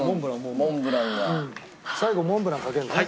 最後モンブランかけるのね。